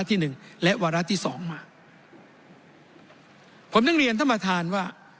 ที่หนึ่งและวาระที่สองมาผมต้องเรียนท่านประธานว่า